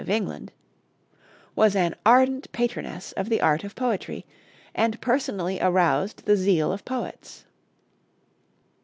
of England, was an ardent patroness of the art of poetry, and personally aroused the zeal of poets.